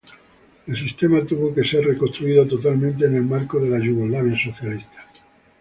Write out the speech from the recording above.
El sistema tuvo que ser reconstruido totalmente en el marco de la Yugoslavia Socialista.